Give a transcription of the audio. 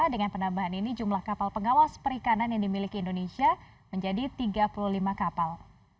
dengan penambahan ini jumlah kapal pengawas perikanan yang dimiliki indonesia menjadi tiga puluh lima kapal